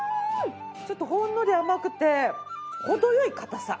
ちょっとほんのり甘くて程良い硬さ。